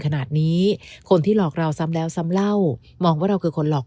ขนาดนี้คนที่หลอกเราซ้ำแล้วซ้ำเล่ามองว่าเราคือคนหลอก